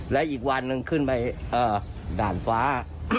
และอีกวันหนึ่งขึ้นไปด่านฟ้า